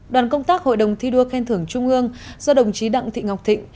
đoàn công tác hội đồng thi đua khen thưởng trung ương do đồng chí đặng thị ngọc thịnh